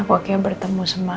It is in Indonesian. aku akhirnya bertemu sama